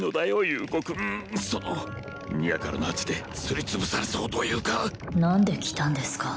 優子君そのニアからの圧ですりつぶされそうというか何で来たんですか？